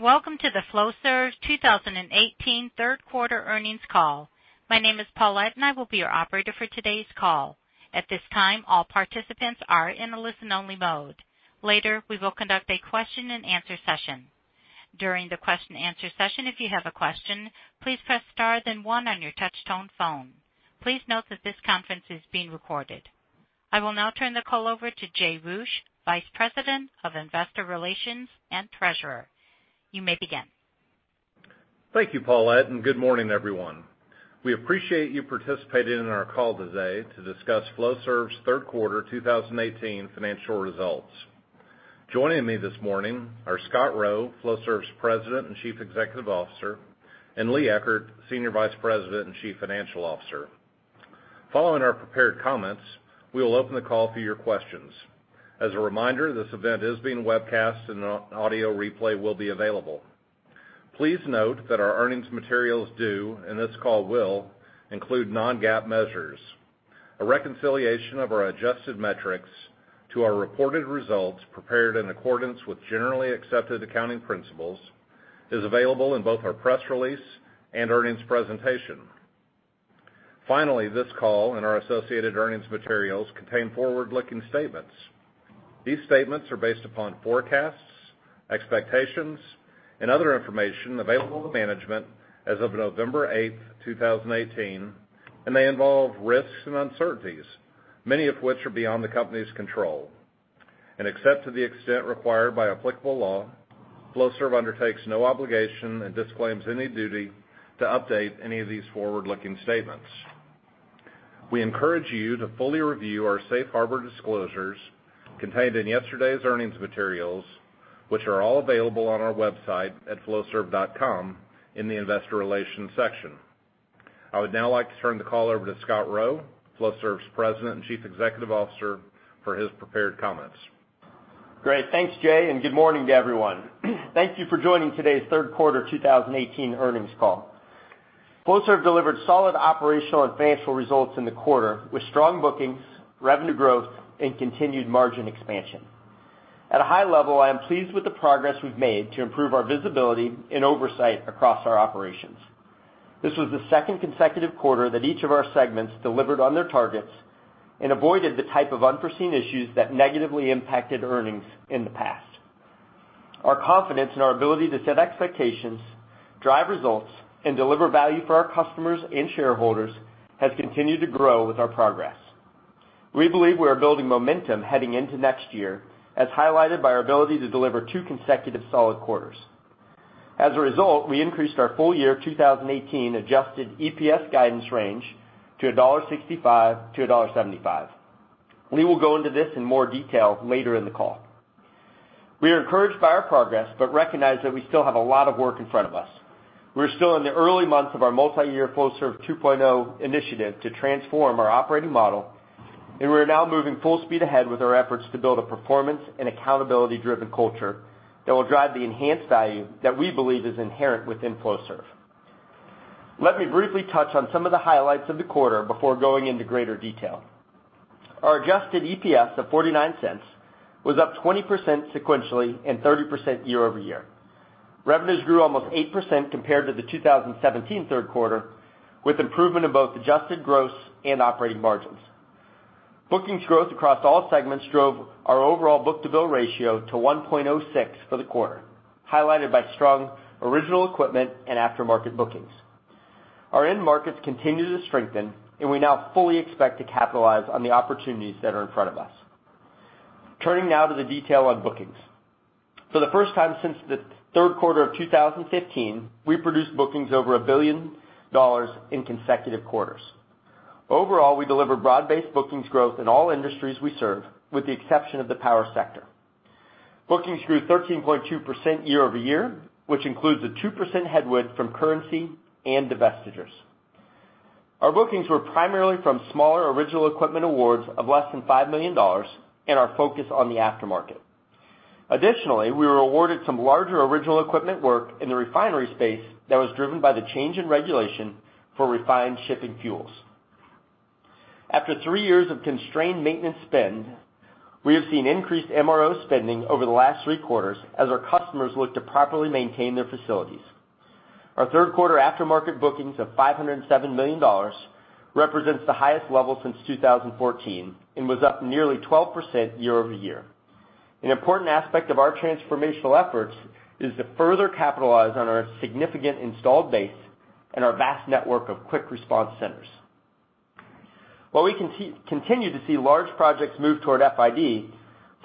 Welcome to the Flowserve 2018 third quarter earnings call. My name is Paulette and I will be your operator for today's call. At this time, all participants are in a listen-only mode. Later, we will conduct a question and answer session. During the question and answer session, if you have a question, please press star then one on your touch tone phone. Please note that this conference is being recorded. I will now turn the call over to Jay Roush, Vice President of Investor Relations and Treasurer. You may begin. Thank you, Paulette, and good morning, everyone. We appreciate you participating in our call today to discuss Flowserve's third quarter 2018 financial results. Joining me this morning are Scott Rowe, Flowserve's President and Chief Executive Officer, and Lee Eckert, Senior Vice President and Chief Financial Officer. Following our prepared comments, we will open the call for your questions. As a reminder, this event is being webcast and an audio replay will be available. Please note that our earnings materials do, and this call will, include non-GAAP measures. A reconciliation of our adjusted metrics to our reported results prepared in accordance with generally accepted accounting principles is available in both our press release and earnings presentation. Finally, this call and our associated earnings materials contain forward-looking statements. These statements are based upon forecasts, expectations, and other information available to management as of November 8th, 2018, and they involve risks and uncertainties, many of which are beyond the company's control. Except to the extent required by applicable law, Flowserve undertakes no obligation and disclaims any duty to update any of these forward-looking statements. We encourage you to fully review our safe harbor disclosures contained in yesterday's earnings materials, which are all available on our website at flowserve.com in the investor relations section. I would now like to turn the call over to Scott Rowe, Flowserve's President and Chief Executive Officer, for his prepared comments. Great. Thanks, Jay, and good morning to everyone. Thank you for joining today's third quarter 2018 earnings call. Flowserve delivered solid operational and financial results in the quarter, with strong bookings, revenue growth, and continued margin expansion. At a high level, I am pleased with the progress we've made to improve our visibility and oversight across our operations. This was the second consecutive quarter that each of our segments delivered on their targets and avoided the type of unforeseen issues that negatively impacted earnings in the past. Our confidence in our ability to set expectations, drive results, and deliver value for our customers and shareholders has continued to grow with our progress. We believe we are building momentum heading into next year, as highlighted by our ability to deliver two consecutive solid quarters. As a result, we increased our full year 2018 adjusted EPS guidance range to $1.65-$1.75. We will go into this in more detail later in the call. We are encouraged by our progress but recognize that we still have a lot of work in front of us. We're still in the early months of our multi-year Flowserve 2.0 initiative to transform our operating model. We're now moving full speed ahead with our efforts to build a performance and accountability-driven culture that will drive the enhanced value that we believe is inherent within Flowserve. Let me briefly touch on some of the highlights of the quarter before going into greater detail. Our adjusted EPS of $0.49 was up 20% sequentially and 30% year-over-year. Revenues grew almost 8% compared to the 2017 third quarter, with improvement in both adjusted gross and operating margins. Bookings growth across all segments drove our overall book-to-bill ratio to 1.06 for the quarter, highlighted by strong original equipment and aftermarket bookings. Our end markets continue to strengthen. We now fully expect to capitalize on the opportunities that are in front of us. Turning now to the detail on bookings. For the first time since the third quarter of 2015, we produced bookings over $1 billion in consecutive quarters. Overall, we delivered broad-based bookings growth in all industries we serve, with the exception of the power sector. Bookings grew 13.2% year-over-year, which includes a 2% headwind from currency and divestitures. Our bookings were primarily from smaller original equipment awards of less than $5 million and our focus on the aftermarket. Additionally, we were awarded some larger original equipment work in the refinery space that was driven by the change in regulation for refined shipping fuels. After three years of constrained maintenance spend, we have seen increased MRO spending over the last three quarters as our customers look to properly maintain their facilities. Our third quarter aftermarket bookings of $507 million represents the highest level since 2014 and was up nearly 12% year-over-year. An important aspect of our transformational efforts is to further capitalize on our significant installed base and our vast network of Quick Response Centers. While we continue to see large projects move toward FID,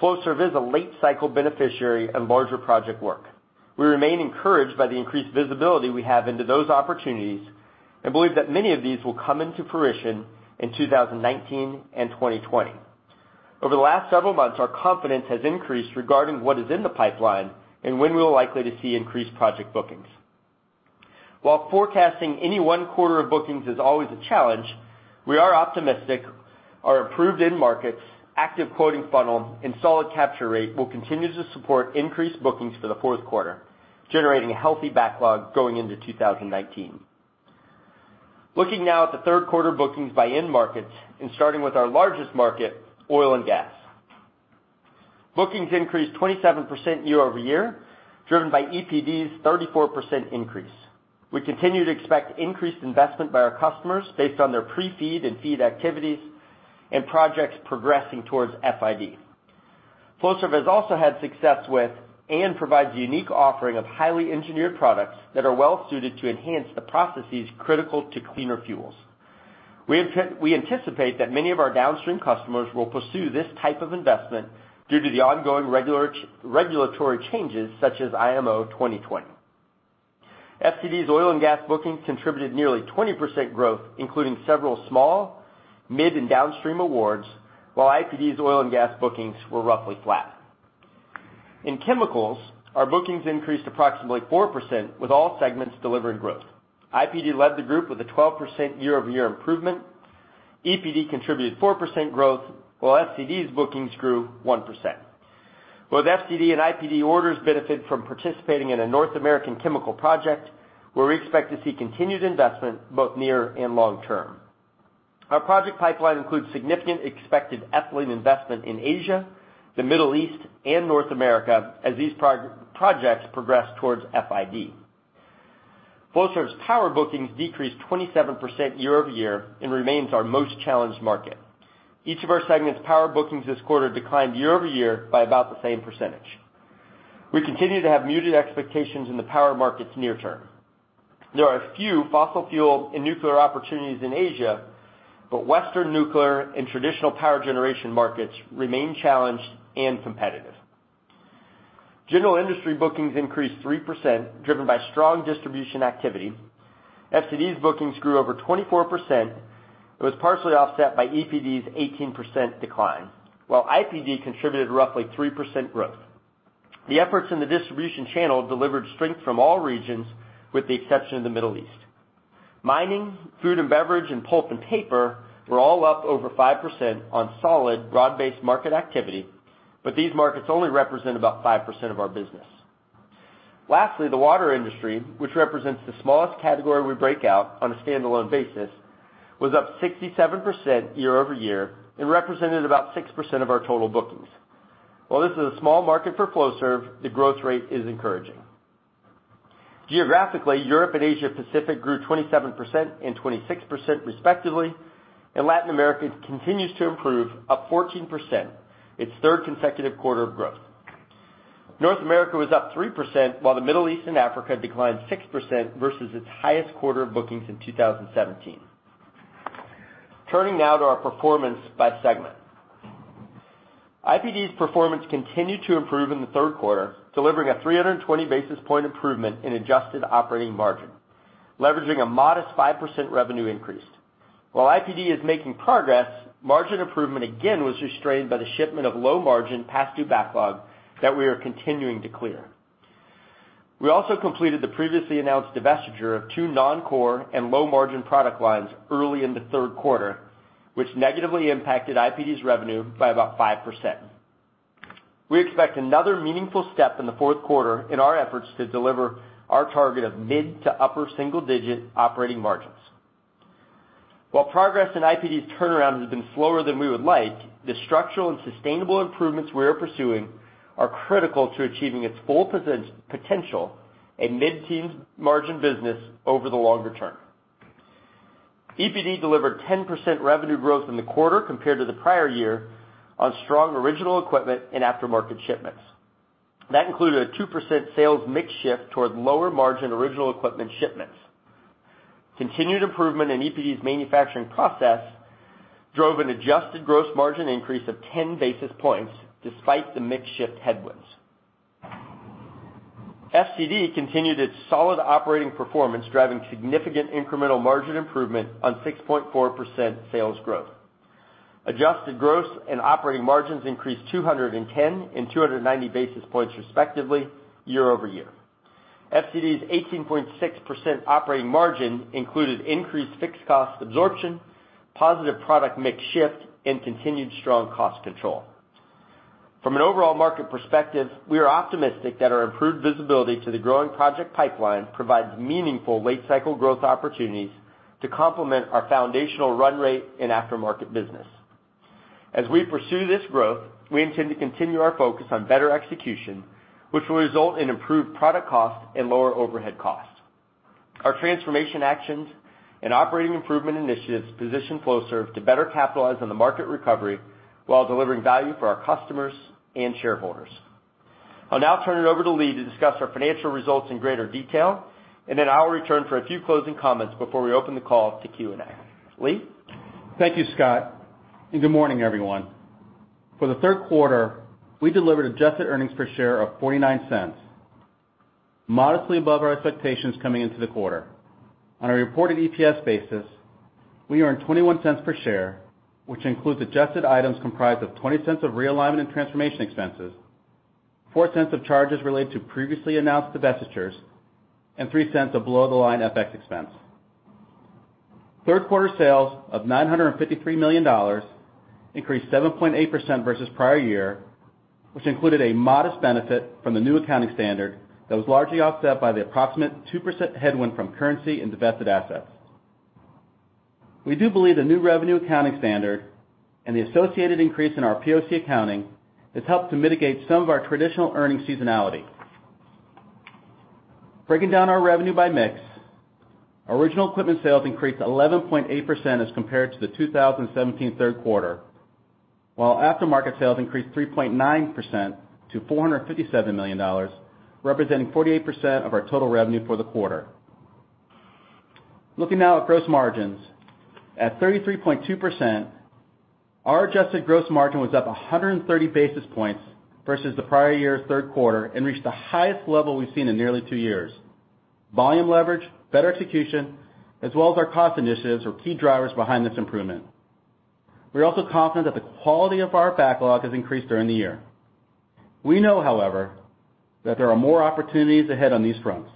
Flowserve is a late cycle beneficiary of larger project work. We remain encouraged by the increased visibility we have into those opportunities and believe that many of these will come into fruition in 2019 and 2020. Over the last several months, our confidence has increased regarding what is in the pipeline and when we're likely to see increased project bookings. While forecasting any one quarter of bookings is always a challenge, we are optimistic our improved end markets, active quoting funnel, and solid capture rate will continue to support increased bookings for the fourth quarter, generating a healthy backlog going into 2019. Looking now at the third quarter bookings by end markets and starting with our largest market, oil and gas. Bookings increased 27% year-over-year, driven by EPD's 34% increase. We continue to expect increased investment by our customers based on their pre-feed and feed activities and projects progressing towards FID. Flowserve has also had success with and provides a unique offering of highly engineered products that are well-suited to enhance the processes critical to cleaner fuels. We anticipate that many of our downstream customers will pursue this type of investment due to the ongoing regulatory changes such as IMO 2020. FCD's oil and gas bookings contributed nearly 20% growth, including several small, mid, and downstream awards, while IPD's oil and gas bookings were roughly flat. In chemicals, our bookings increased approximately 4%, with all segments delivering growth. IPD led the group with a 12% year-over-year improvement, EPD contributed 4% growth, while FCD's bookings grew 1%. Both FCD and IPD orders benefit from participating in a North American chemical project, where we expect to see continued investment both near and long term. Our project pipeline includes significant expected ethylene investment in Asia, the Middle East, and North America as these projects progress towards FID. Flowserve's power bookings decreased 27% year-over-year and remains our most challenged market. Each of our segment's power bookings this quarter declined year-over-year by about the same percentage. We continue to have muted expectations in the power markets near term. There are a few fossil fuel and nuclear opportunities in Asia, Western nuclear and traditional power generation markets remain challenged and competitive. General industry bookings increased 3%, driven by strong distribution activity. FCD's bookings grew over 24%. It was partially offset by EPD's 18% decline, while IPD contributed roughly 3% growth. The efforts in the distribution channel delivered strength from all regions, with the exception of the Middle East. Mining, food and beverage, and pulp and paper were all up over 5% on solid, broad-based market activity, but these markets only represent about 5% of our business. Lastly, the water industry, which represents the smallest category we break out on a standalone basis, was up 67% year-over-year and represented about 6% of our total bookings. While this is a small market for Flowserve, the growth rate is encouraging. Geographically, Europe and Asia Pacific grew 27% and 26%, respectively, Latin America continues to improve, up 14%, its third consecutive quarter of growth. North America was up 3%, while the Middle East and Africa declined 6% versus its highest quarter of bookings in 2017. Turning now to our performance by segment. IPD's performance continued to improve in the third quarter, delivering a 320 basis point improvement in adjusted operating margin, leveraging a modest 5% revenue increase. While IPD is making progress, margin improvement again was restrained by the shipment of low-margin past due backlog that we are continuing to clear. We also completed the previously announced divestiture of two non-core and low-margin product lines early in the third quarter, which negatively impacted IPD's revenue by about 5%. We expect another meaningful step in the fourth quarter in our efforts to deliver our target of mid to upper single-digit operating margins. While progress in IPD's turnaround has been slower than we would like, the structural and sustainable improvements we are pursuing are critical to achieving its full potential, a mid-teen margin business over the longer term. EPD delivered 10% revenue growth in the quarter compared to the prior year on strong original equipment and aftermarket shipments. That included a 2% sales mix shift towards lower-margin original equipment shipments. Continued improvement in EPD's manufacturing process drove an adjusted gross margin increase of 10 basis points despite the mix shift headwinds. FCD continued its solid operating performance, driving significant incremental margin improvement on 6.4% sales growth. Adjusted gross and operating margins increased 210 and 290 basis points, respectively, year-over-year. FCD's 18.6% operating margin included increased fixed cost absorption, positive product mix shift, and continued strong cost control. From an overall market perspective, we are optimistic that our improved visibility to the growing project pipeline provides meaningful late-cycle growth opportunities to complement our foundational run rate and aftermarket business. As we pursue this growth, we intend to continue our focus on better execution, which will result in improved product cost and lower overhead cost. Our transformation actions and operating improvement initiatives position Flowserve to better capitalize on the market recovery while delivering value for our customers and shareholders. I'll now turn it over to Lee to discuss our financial results in greater detail, and then I will return for a few closing comments before we open the call to Q&A. Lee? Thank you, Scott, and good morning, everyone. For the third quarter, we delivered adjusted earnings per share of $0.49, modestly above our expectations coming into the quarter. On a reported EPS basis, we earned $0.21 per share, which includes adjusted items comprised of $0.20 of realignment and transformation expenses, $0.04 of charges related to previously announced divestitures, and $0.03 of below-the-line FX expense. Third quarter sales of $953 million increased 7.8% versus prior year. Which included a modest benefit from the new accounting standard that was largely offset by the approximate 2% headwind from currency and divested assets. We do believe the new revenue accounting standard and the associated increase in our POC accounting has helped to mitigate some of our traditional earning seasonality. Breaking down our revenue by mix, our original equipment sales increased 11.8% as compared to the 2017 third quarter, while aftermarket sales increased 3.9% to $457 million, representing 48% of our total revenue for the quarter. Looking now at gross margins. At 33.2%, our adjusted gross margin was up 130 basis points versus the prior year's third quarter and reached the highest level we've seen in nearly two years. Volume leverage, better execution, as well as our cost initiatives were key drivers behind this improvement. We're also confident that the quality of our backlog has increased during the year. We know, however, that there are more opportunities ahead on these fronts.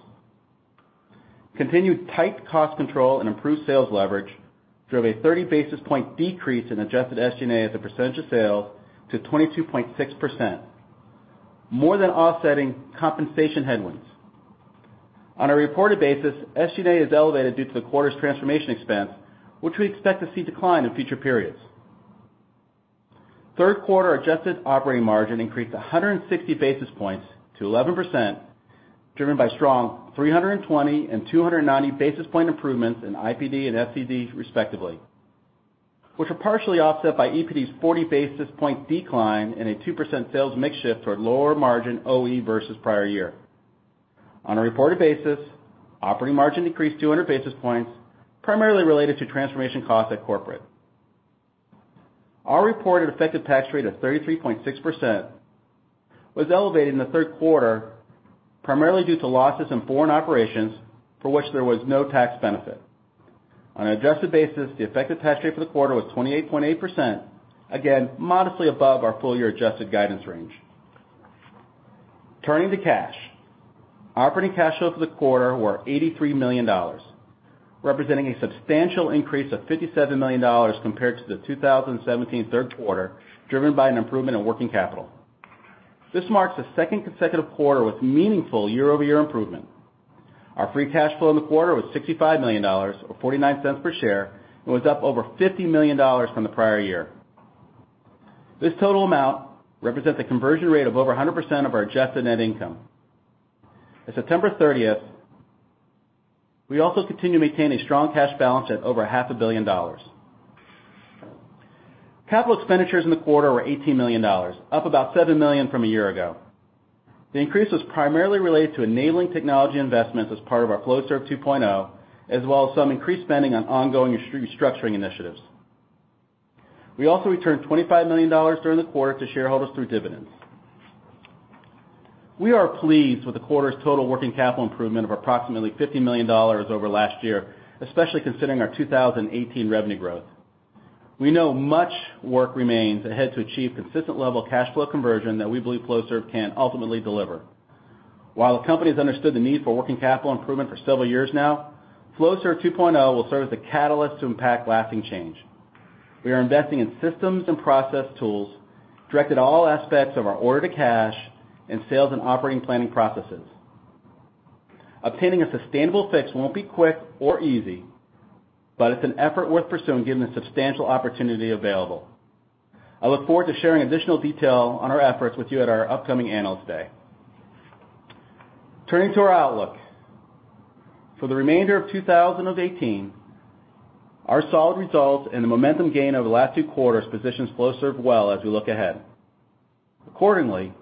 Continued tight cost control and improved sales leverage drove a 30-basis-point decrease in adjusted SG&A as a percentage of sales to 22.6%, more than offsetting compensation headwinds. On a reported basis, SG&A is elevated due to the quarter's transformation expense, which we expect to see decline in future periods. Third quarter adjusted operating margin increased 160 basis points to 11%, driven by strong 320 and 290 basis point improvements in IPD and FCD respectively, which were partially offset by EPD's 40-basis-point decline and a 2% sales mix shift toward lower margin OE versus prior year. On a reported basis, operating margin decreased 200 basis points, primarily related to transformation costs at corporate. Our reported effective tax rate of 33.6% was elevated in the third quarter, primarily due to losses in foreign operations, for which there was no tax benefit. On an adjusted basis, the effective tax rate for the quarter was 28.8%, again, modestly above our full-year adjusted guidance range. Turning to cash. Operating cash flow for the quarter was $83 million, representing a substantial increase of $57 million compared to the 2017 third quarter, driven by an improvement in working capital. This marks the second consecutive quarter with meaningful year-over-year improvement. Our free cash flow in the quarter was $65 million, or $0.49 per share, and was up over $50 million from the prior year. This total amount represents a conversion rate of over 100% of our adjusted net income. At September 30th, we also continue to maintain a strong cash balance at over $500 million. Capital expenditures in the quarter were $18 million, up about $7 million from a year ago. The increase was primarily related to enabling technology investments as part of our Flowserve 2.0, as well as some increased spending on ongoing restructuring initiatives. We also returned $25 million during the quarter to shareholders through dividends. We are pleased with the quarter's total working capital improvement of approximately $50 million over last year, especially considering our 2018 revenue growth. We know much work remains ahead to achieve consistent level cash flow conversion that we believe Flowserve can ultimately deliver. While the company has understood the need for working capital improvement for several years now, Flowserve 2.0 will serve as the catalyst to impact lasting change. We are investing in systems and process tools directed at all aspects of our order to cash and sales and operating planning processes. Obtaining a sustainable fix won't be quick or easy, but it's an effort worth pursuing given the substantial opportunity available. I look forward to sharing additional detail on our efforts with you at our upcoming Analyst Day. Turning to our outlook. For the remainder of 2018, our solid results and the momentum gain over the last two quarters positions Flowserve well as we look ahead. Accordingly,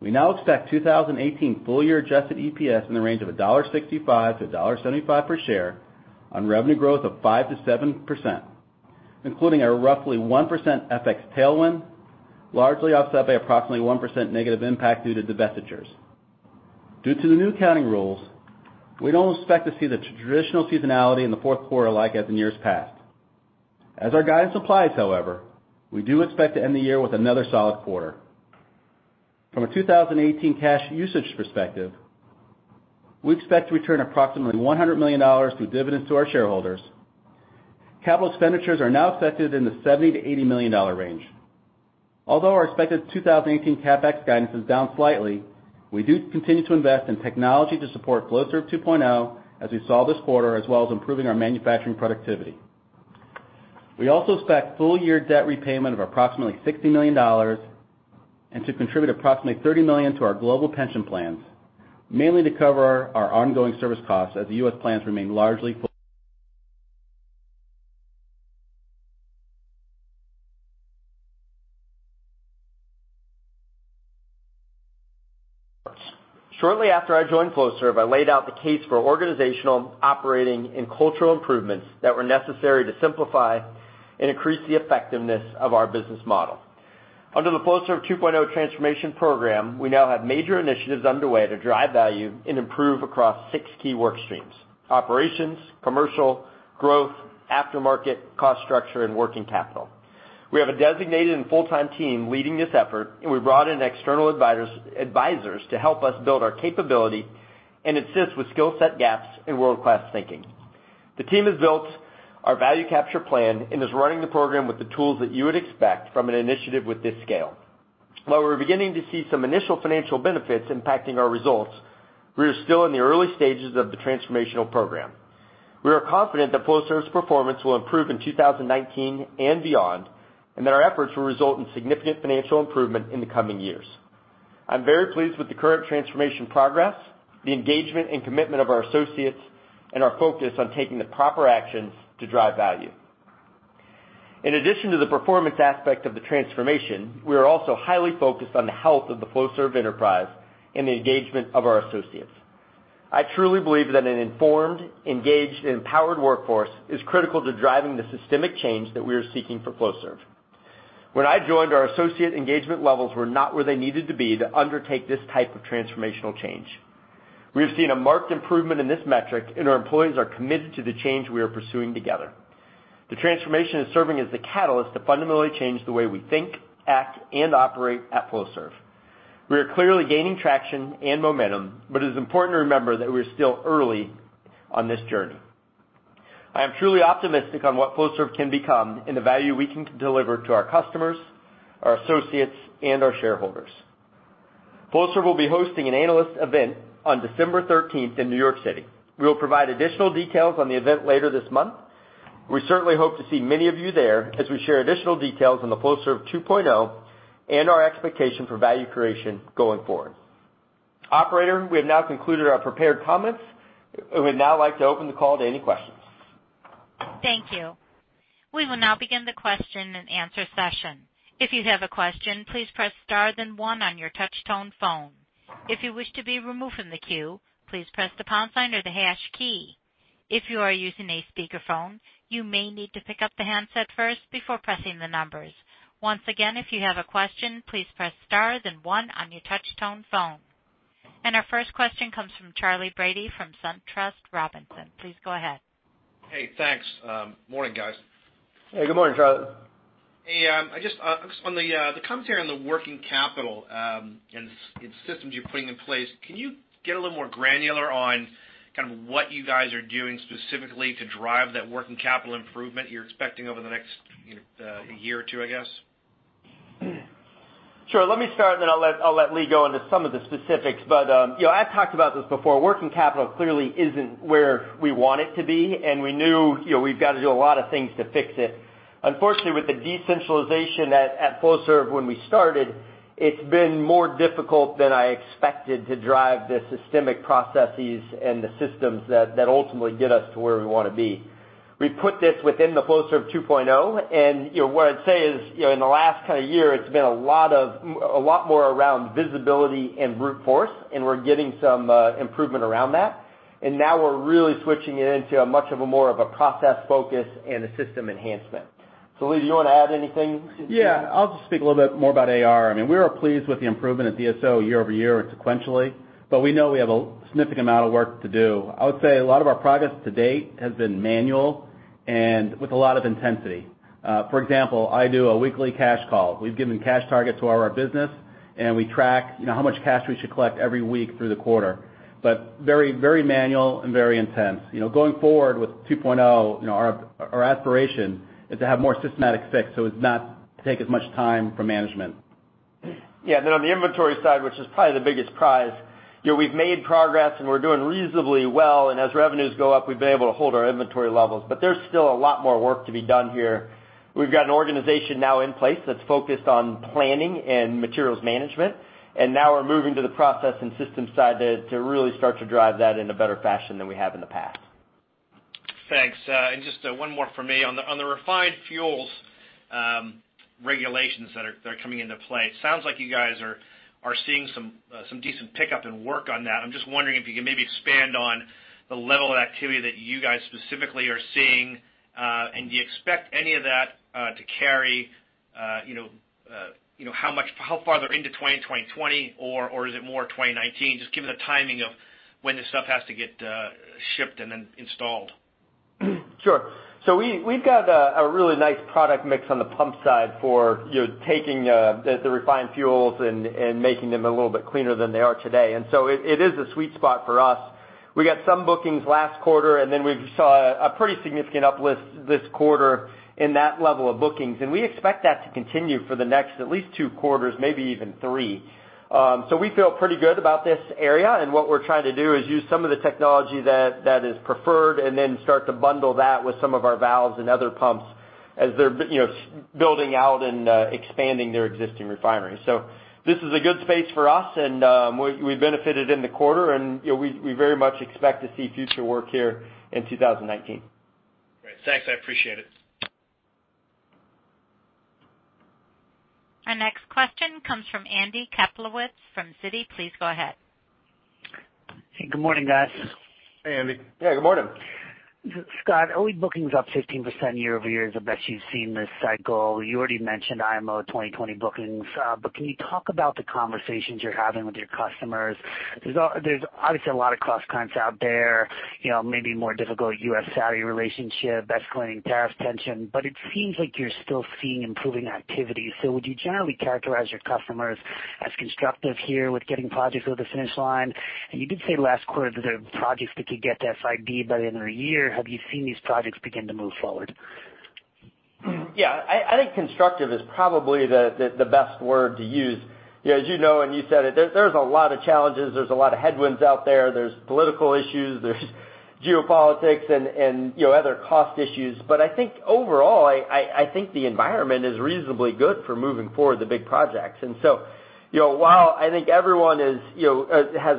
we now expect 2018 full-year adjusted EPS in the range of $1.65 to $1.75 per share on revenue growth of 5%-7%, including a roughly 1% FX tailwind, largely offset by approximately 1% negative impact due to divestitures. Due to the new accounting rules, we don't expect to see the traditional seasonality in the fourth quarter like as in years past. As our guidance applies, however, we do expect to end the year with another solid quarter. From a 2018 cash usage perspective, we expect to return approximately $100 million through dividends to our shareholders. Capital expenditures are now expected in the $70 million-$80 million range. Although our expected 2018 CapEx guidance is down slightly, we do continue to invest in technology to support Flowserve 2.0 as we saw this quarter, as well as improving our manufacturing productivity. We also expect full-year debt repayment of approximately $60 million and to contribute approximately $30 million to our global pension plans, mainly to cover our ongoing service costs as the U.S. plans remain largely fully. Shortly after I joined Flowserve, I laid out the case for organizational, operating, and cultural improvements that were necessary to simplify and increase the effectiveness of our business model. Under the Flowserve 2.0 transformation program, we now have major initiatives underway to drive value and improve across six key work streams. Operations, commercial, growth, aftermarket, cost structure, and working capital. We have a designated and full-time team leading this effort, and we brought in external advisors to help us build our capability and assist with skill set gaps and world-class thinking. The team has built our value capture plan and is running the program with the tools that you would expect from an initiative with this scale. While we're beginning to see some initial financial benefits impacting our results, we are still in the early stages of the transformational program. We are confident that Flowserve's performance will improve in 2019 and beyond, and that our efforts will result in significant financial improvement in the coming years. I'm very pleased with the current transformation progress, the engagement and commitment of our associates, and our focus on taking the proper actions to drive value. In addition to the performance aspect of the transformation, we are also highly focused on the health of the Flowserve enterprise and the engagement of our associates. I truly believe that an informed, engaged and empowered workforce is critical to driving the systemic change that we are seeking for Flowserve. When I joined, our associate engagement levels were not where they needed to be to undertake this type of transformational change. We have seen a marked improvement in this metric, and our employees are committed to the change we are pursuing together. The transformation is serving as the catalyst to fundamentally change the way we think, act and operate at Flowserve. We are clearly gaining traction and momentum, but it is important to remember that we're still early on this journey. I am truly optimistic on what Flowserve can become and the value we can deliver to our customers, our associates, and our shareholders. Flowserve will be hosting an analyst event on December 13th in New York City. We will provide additional details on the event later this month. We certainly hope to see many of you there as we share additional details on the Flowserve 2.0 and our expectation for value creation going forward. Operator, we have now concluded our prepared comments. We would now like to open the call to any questions. Thank you. We will now begin the question and answer session. If you have a question, please press star then one on your touch tone phone. If you wish to be removed from the queue, please press the pound sign or the hash key. If you are using a speakerphone, you may need to pick up the handset first before pressing the numbers. Once again, if you have a question, please press star then one on your touch tone phone. Our first question comes from Charley Brady from SunTrust Robinson. Please go ahead. Hey, thanks. Morning, guys. Hey. Good morning, Charley. Hey, on the commentary on the working capital, and systems you're putting in place, can you get a little more granular on what you guys are doing specifically to drive that working capital improvement you're expecting over the next year or two, I guess? Sure. Let me start, then I'll let Lee go into some of the specifics. I've talked about this before. Working capital clearly isn't where we want it to be, and we knew we've got to do a lot of things to fix it. Unfortunately, with the decentralization at Flowserve when we started, it's been more difficult than I expected to drive the systemic processes and the systems that ultimately get us to where we want to be. We put this within the Flowserve 2.0, and what I'd say is, in the last year, it's been a lot more around visibility and brute force, and we're getting some improvement around that. Now we're really switching it into a much more of a process focus and a system enhancement. Lee, do you want to add anything? I'll just speak a little bit more about AR. We are pleased with the improvement at DSO year-over-year and sequentially. We know we have a significant amount of work to do. I would say a lot of our progress to date has been manual and with a lot of intensity. For example, I do a weekly cash call. We've given cash targets to our business, and we track how much cash we should collect every week through the quarter. Very manual and very intense. Going forward with 2.0, our aspiration is to have more systematic fix, so it does not take as much time from management. On the inventory side, which is probably the biggest prize, we've made progress, and we're doing reasonably well, and as revenues go up, we've been able to hold our inventory levels. There's still a lot more work to be done here. We've got an organization now in place that's focused on planning and materials management. Now we're moving to the process and systems side to really start to drive that in a better fashion than we have in the past. Thanks. Just one more from me. On the refined fuels regulations that are coming into play, it sounds like you guys are seeing some decent pickup and work on that. I'm just wondering if you could maybe expand on the level of activity that you guys specifically are seeing. Do you expect any of that to carry, how farther into 2020, or is it more 2019? Just given the timing of when this stuff has to get shipped and then installed. We've got a really nice product mix on the pump side for taking the refined fuels and making them a little bit cleaner than they are today. It is a sweet spot for us. We got some bookings last quarter. We saw a pretty significant uplift this quarter in that level of bookings. We expect that to continue for the next at least two quarters, maybe even three. We feel pretty good about this area. What we're trying to do is use some of the technology that is preferred and then start to bundle that with some of our valves and other pumps as they're building out and expanding their existing refineries. This is a good space for us, and we benefited in the quarter, and we very much expect to see future work here in 2019. Great. Thanks. I appreciate it. Our next question comes from Andrew Kaplowitz from Citi. Please go ahead. Hey, good morning, guys. Hey, Andy. Hey, good morning. Scott, bookings up 15% year-over-year is the best you've seen this cycle. You already mentioned IMO 2020 bookings. Can you talk about the conversations you're having with your customers? There's obviously a lot of cross-currents out there, maybe more difficult U.S.-Saudi relationship, escalating tariff tension. It seems like you're still seeing improving activity. Would you generally characterize your customers as constructive here with getting projects over the finish line? You did say last quarter that there are projects that could get FID by the end of the year. Have you seen these projects begin to move forward? I think constructive is probably the best word to use. As you know, and you said it, there's a lot of challenges, there's a lot of headwinds out there. There's political issues, there's geopolitics and other cost issues. I think overall, I think the environment is reasonably good for moving forward the big projects. While I think everyone has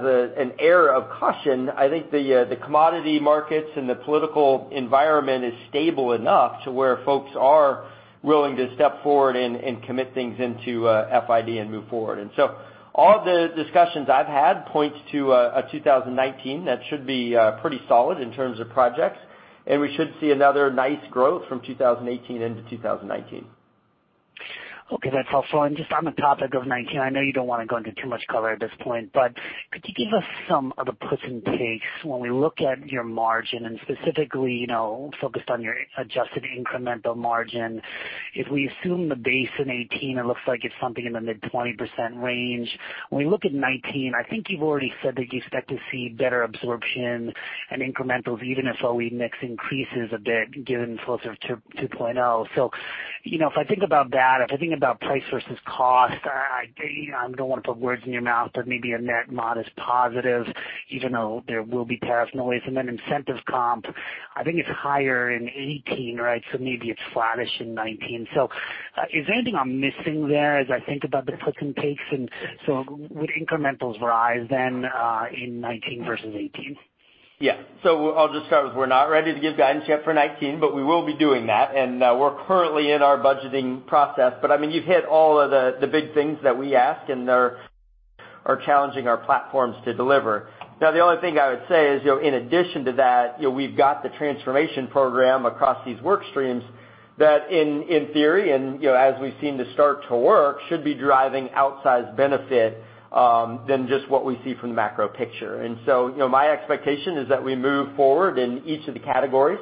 an air of caution, I think the commodity markets and the political environment is stable enough to where folks are willing to step forward and commit things into FID and move forward. All the discussions I've had point to a 2019 that should be pretty solid in terms of projects, and we should see another nice growth from 2018 into 2019. Okay. That's helpful. Just on the topic of 2019, I know you don't want to go into too much color at this point, could you give us some of the puts and takes when we look at your margin and specifically, focused on your adjusted incremental margin? If we assume the base in 2018, it looks like it's something in the mid 20% range. When we look at 2019, I think you've already said that you expect to see better absorption and incrementals, even if OE mix increases a bit given Flowserve 2.0. If I think about that, if I think about price versus cost, I don't want to put words in your mouth, but maybe a net modest positive, even though there will be tariff noise. Then incentives comp, I think it's higher in 2018, right? Maybe it's flattish in 2019. Is there anything I'm missing there as I think about the puts and takes? Would incrementals rise then in 2019 versus 2018? Yeah. I'll just start with, we're not ready to give guidance yet for 2019, but we will be doing that, and we're currently in our budgeting process. You've hit all of the big things that we ask and are challenging our platforms to deliver. Now, the only thing I would say is, in addition to that, we've got the transformation program across these work streams that in theory and, as we seem to start to work, should be driving outsized benefit than just what we see from the macro picture. My expectation is that we move forward in each of the categories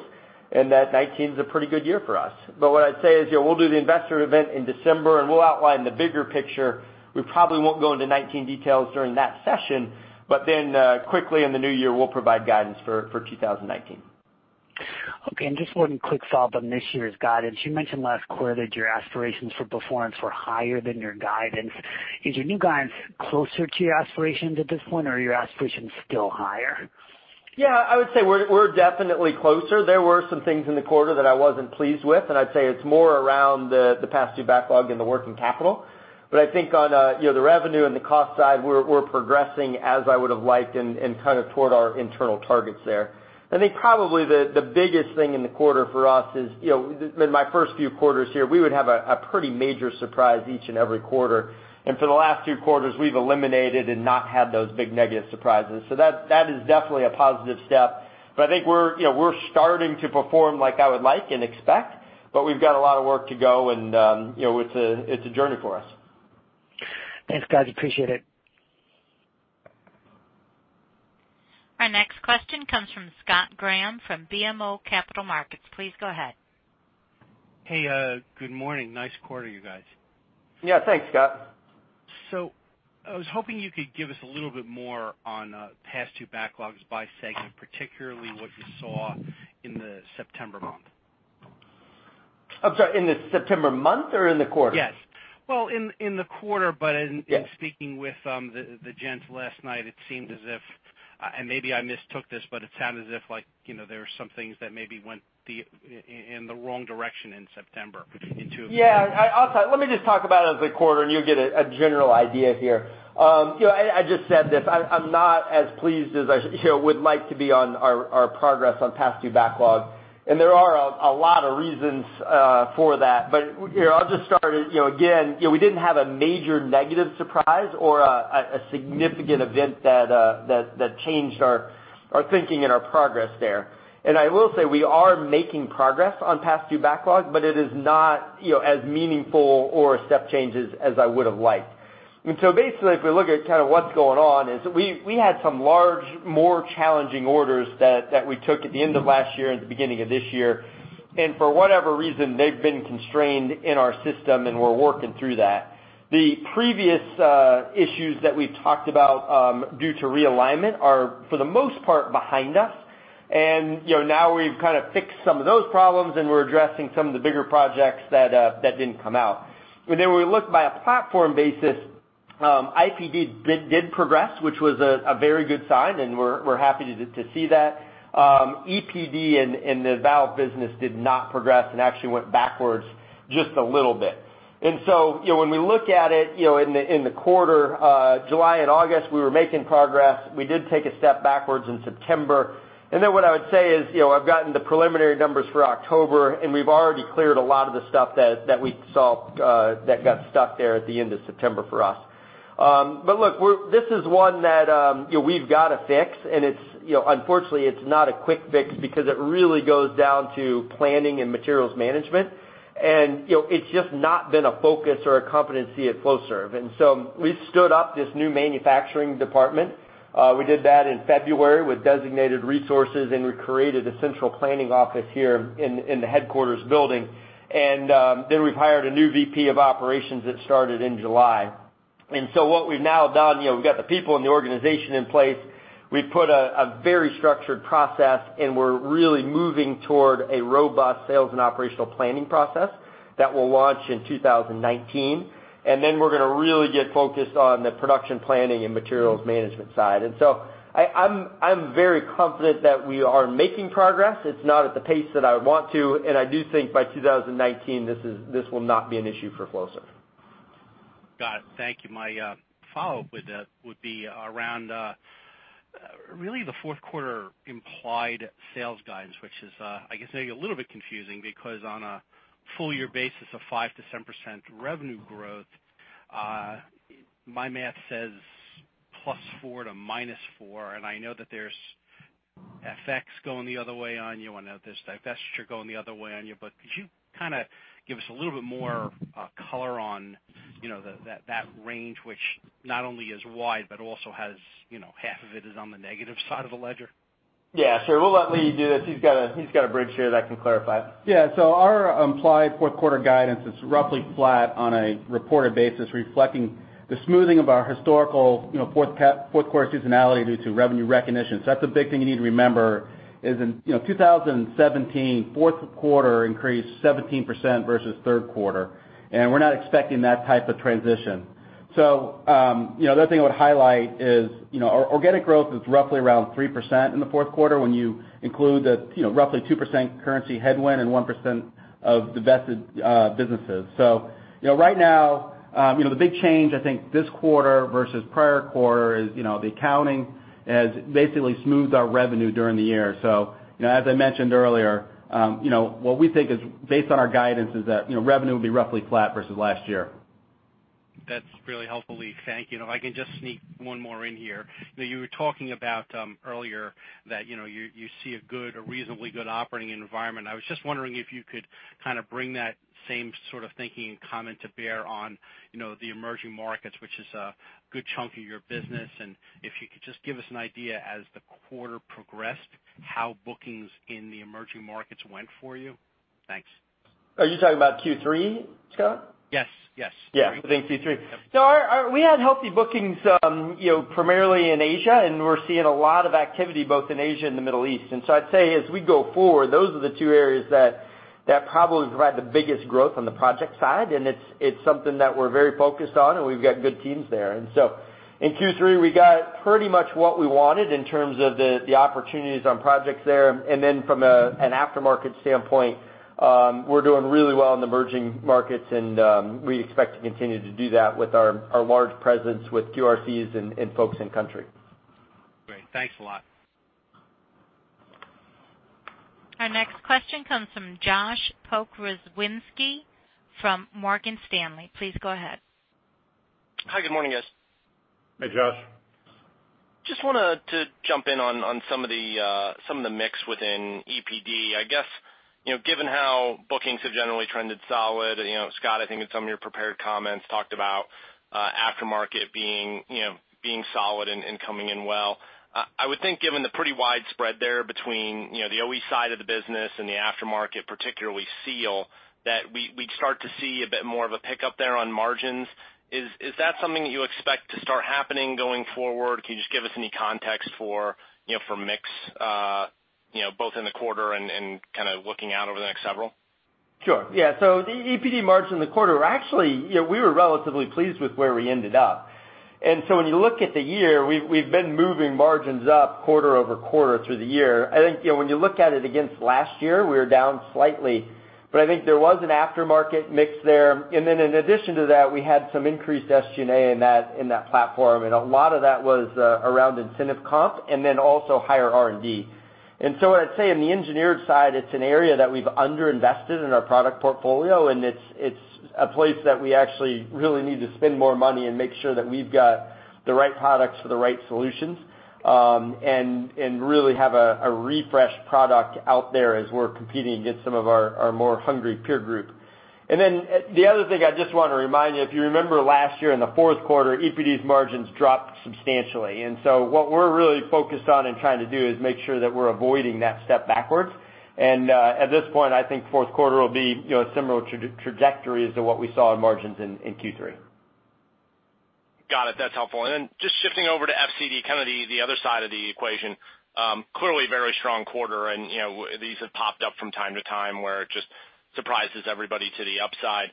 and that 2019 is a pretty good year for us. What I'd say is, we'll do the investor event in December, and we'll outline the bigger picture. We probably won't go into 2019 details during that session, then, quickly in the new year, we'll provide guidance for 2019. Okay. Just one quick follow-up on this year's guidance. You mentioned last quarter that your aspirations for performance were higher than your guidance. Is your new guidance closer to your aspirations at this point, or are your aspirations still higher? Yeah, I would say we're definitely closer. There were some things in the quarter that I wasn't pleased with. I'd say it's more around the past due backlog and the working capital. I think on the revenue and the cost side, we're progressing as I would've liked and kind of toward our internal targets there. I think probably the biggest thing in the quarter for us is, in my first few quarters here, we would have a pretty major surprise each and every quarter. For the last two quarters, we've eliminated and not had those big negative surprises. That is definitely a positive step. I think we're starting to perform like I would like and expect, but we've got a lot of work to go, and it's a journey for us. Thanks, guys, appreciate it. Our next question comes from Scott Graham from BMO Capital Markets. Please go ahead. Hey, good morning. Nice quarter, you guys. Yeah, thanks, Scott. I was hoping you could give us a little bit more on past due backlogs by segment, particularly what you saw in the September month. I'm sorry, in the September month or in the quarter? Yes. Well, in the quarter, but Yeah speaking with the gents last night, it seemed as if, and maybe I mistook this, but it sounded as if there were some things that maybe went in the wrong direction in September. Yeah. Let me just talk about it as a quarter, and you'll get a general idea here. I just said this, I'm not as pleased as I would like to be on our progress on past due backlog, and there are a lot of reasons for that. I'll just start, again, we didn't have a major negative surprise or a significant event that changed our thinking and our progress there. I will say we are making progress on past due backlog, but it is not as meaningful or step changes as I would've liked. So basically, if we look at kind of what's going on, is we had some large, more challenging orders that we took at the end of last year and the beginning of this year. For whatever reason, they've been constrained in our system, and we're working through that. The previous issues that we've talked about, due to realignment are, for the most part, behind us. Now we've kind of fixed some of those problems, and we're addressing some of the bigger projects that didn't come out. When we look by a platform basis, IPD did progress, which was a very good sign, and we're happy to see that. EPD and the valve business did not progress and actually went backwards just a little bit. So when we look at it in the quarter, July and August, we were making progress. We did take a step backwards in September. What I would say is, I've gotten the preliminary numbers for October, and we've already cleared a lot of the stuff that we saw that got stuck there at the end of September for us. Look, this is one that we've got to fix and it's unfortunately, it's not a quick fix because it really goes down to planning and materials management. It's just not been a focus or a competency at Flowserve. We stood up this new manufacturing department. We did that in February with designated resources, and we created a central planning office here in the headquarters building. We've hired a new VP of operations that started in July. What we've now done, we've got the people in the organization in place. We've put a very structured process, and we're really moving toward a robust sales and operational planning process that will launch in 2019. We're going to really get focused on the production planning and materials management side. I'm very confident that we are making progress. It's not at the pace that I would want to, and I do think by 2019, this will not be an issue for Flowserve. Got it. Thank you. My follow-up with that would be around really the fourth quarter implied sales guidance, which is, I guess, maybe a little bit confusing because on a full-year basis of 5%-7% revenue growth, my math says +4% to -4%, and I know that there's FX going the other way on you. I know there's divestiture going the other way on you, but could you kind of give us a little bit more color on that range, which not only is wide but also has half of it is on the negative side of the ledger? Sure. We'll let Lee do this. He's got a bridge here that can clarify. Our implied fourth quarter guidance is roughly flat on a reported basis, reflecting the smoothing of our historical fourth quarter seasonality due to revenue recognition. That's a big thing you need to remember is in 2017, fourth quarter increased 17% versus third quarter, and we're not expecting that type of transition. The other thing I would highlight is our organic growth is roughly around 3% in the fourth quarter when you include the roughly 2% currency headwind and 1% of divested businesses. Right now, the big change, I think, this quarter versus prior quarter is the accounting has basically smoothed our revenue during the year. As I mentioned earlier, what we think is based on our guidance is that revenue will be roughly flat versus last year. That's really helpful, Lee. Thank you. If I can just sneak one more in here. You were talking about earlier that you see a good or reasonably good operating environment. I was just wondering if you could kind of bring that same sort of thinking and comment to bear on the emerging markets, which is a good chunk of your business, and if you could just give us an idea as the quarter progressed, how bookings in the emerging markets went for you. Thanks. Are you talking about Q3, Scott? Yes, yes. Q3. We had healthy bookings primarily in Asia, we're seeing a lot of activity both in Asia and the Middle East. I'd say as we go forward, those are the two areas that probably provide the biggest growth on the project side, it's something that we're very focused on, we've got good teams there. In Q3, we got pretty much what we wanted in terms of the opportunities on projects there. From an aftermarket standpoint, we're doing really well in the emerging markets, we expect to continue to do that with our large presence with QRCs and folks in country. Great. Thanks a lot. Our next question comes from Joshua Pokrzywinski from Morgan Stanley. Please go ahead. Hi, good morning, guys. Hey, Josh. Just wanted to jump in on some of the mix within EPD. I guess, given how bookings have generally trended solid, Scott, I think in some of your prepared comments talked about aftermarket being solid and coming in well. I would think, given the pretty widespread there between the OE side of the business and the aftermarket, particularly seal, that we'd start to see a bit more of a pickup there on margins. Is that something that you expect to start happening going forward? Can you just give us any context for mix both in the quarter and kind of looking out over the next several? Sure. Yeah. The EPD margin in the quarter, actually, we were relatively pleased with where we ended up. When you look at the year, we've been moving margins up quarter-over-quarter through the year. I think when you look at it against last year, we were down slightly. I think there was an aftermarket mix there. In addition to that, we had some increased SG&A in that platform, and a lot of that was around incentive comp and also higher R&D. What I'd say on the engineered side, it's an area that we've underinvested in our product portfolio, and it's a place that we actually really need to spend more money and make sure that we've got the right products for the right solutions, and really have a refreshed product out there as we're competing against some of our more hungry peer group. The other thing I just want to remind you, if you remember last year in the fourth quarter, EPD's margins dropped substantially. What we're really focused on and trying to do is make sure that we're avoiding that step backwards. At this point, I think fourth quarter will be a similar trajectory as to what we saw in margins in Q3. Got it. That's helpful. Just shifting over to FCD, kind of the other side of the equation, clearly very strong quarter, and these have popped up from time to time where it just surprises everybody to the upside.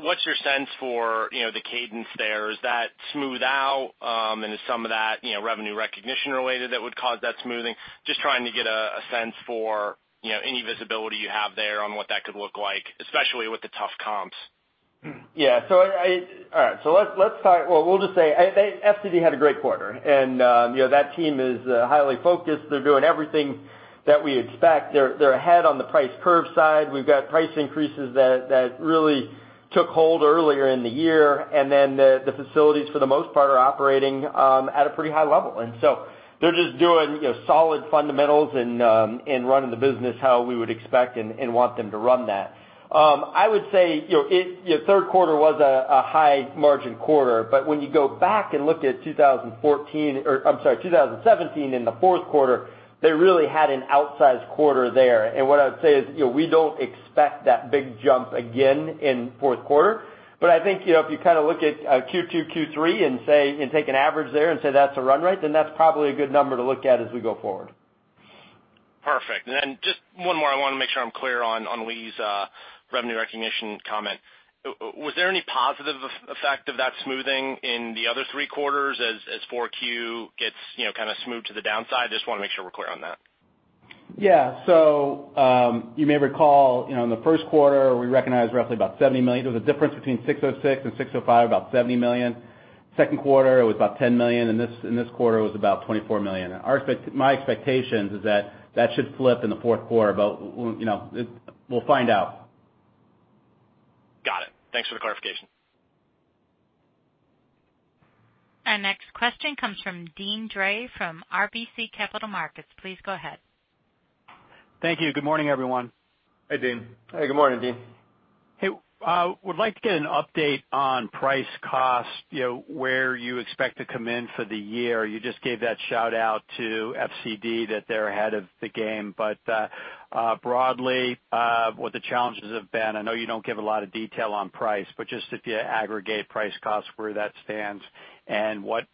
What's your sense for the cadence there? Is that smooth out, and is some of that revenue recognition related that would cause that smoothing? Just trying to get a sense for any visibility you have there on what that could look like, especially with the tough comps. We'll just say FCD had a great quarter, and that team is highly focused. They're doing everything that we expect. They're ahead on the price curve side. We've got price increases that really took hold earlier in the year, then the facilities, for the most part, are operating at a pretty high level. They're just doing solid fundamentals and running the business how we would expect and want them to run that. I would say third quarter was a high margin quarter. When you go back and look at 2014-- or I'm sorry, 2017 in the fourth quarter, they really had an outsized quarter there. What I would say is we don't expect that big jump again in fourth quarter. I think if you kind of look at Q2, Q3 and take an average there and say that's a run rate, that's probably a good number to look at as we go forward. Perfect. Just one more. I want to make sure I'm clear on Lee's revenue recognition comment. Was there any positive effect of that smoothing in the other three quarters as 4Q gets kind of smoothed to the downside? Just want to make sure we're clear on that. Yeah. You may recall, in the first quarter, we recognized roughly about $70 million. There was a difference between ASC 606 and ASC 605, about $70 million. Second quarter, it was about $10 million. In this quarter, it was about $24 million. My expectations is that should flip in the fourth quarter, we'll find out. Got it. Thanks for the clarification. Our next question comes from Deane Dray from RBC Capital Markets. Please go ahead. Thank you. Good morning, everyone. Hey, Deane. Hey, good morning, Deane. Hey, would like to get an update on price cost, where you expect to come in for the year. You just gave that shout-out to FCD, that they're ahead of the game. Broadly, what the challenges have been, I know you don't give a lot of detail on price, but just if you aggregate price cost, where that stands, and what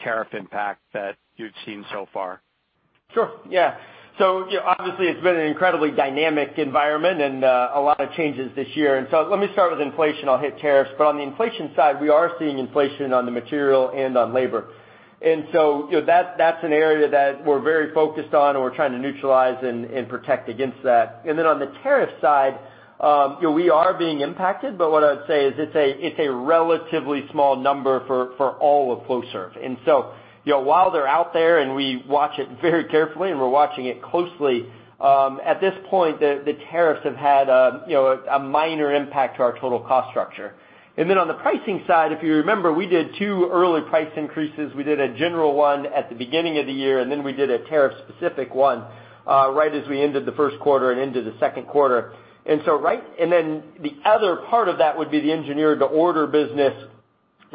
tariff impact that you've seen so far. Sure. Yeah. Obviously it's been an incredibly dynamic environment and a lot of changes this year. Let me start with inflation, I'll hit tariffs. On the inflation side, we are seeing inflation on the material and on labor. That's an area that we're very focused on, and we're trying to neutralize and protect against that. On the tariff side, we are being impacted, but what I would say is it's a relatively small number for all of Flowserve. While they're out there and we watch it very carefully, and we're watching it closely, at this point, the tariffs have had a minor impact to our total cost structure. On the pricing side, if you remember, we did two early price increases. We did a general one at the beginning of the year, then we did a tariff specific one right as we ended the first quarter and into the second quarter. The other part of that would be the engineer to order business.